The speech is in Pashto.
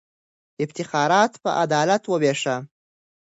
افتخارات په عدالت ووېشه.